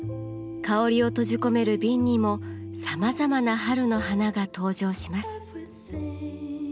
香りを閉じ込める瓶にもさまざまな春の花が登場します。